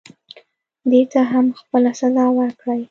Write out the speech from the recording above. دې ته هم خپله سزا ورکړئ.